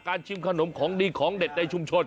ชิมขนมของดีของเด็ดในชุมชน